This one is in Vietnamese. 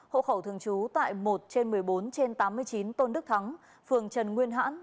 hộ khẩu thường trú tại một trên một mươi bốn trên tám mươi chín tôn đức thắng phường trần nguyên hãn